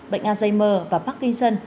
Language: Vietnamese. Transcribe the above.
bệnh alzheimer và parkinson